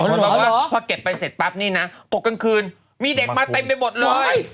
บอกว่าพอเก็บไปเสร็จปั๊บนี่นะตกกลางคืนมีเด็กมาเต็มไปหมดเลย